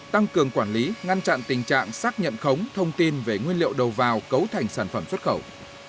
tăng cường quản lý ngăn chặn tình trạng xác nhận khống thông tin về nguyên liệu đầu vào cấu thành sản phẩm xuất khẩu